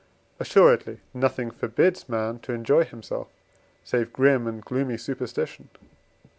Assuredly nothing forbids man to enjoy himself, save grim and gloomy superstition.